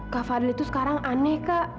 kak fadli itu sekarang aneh kak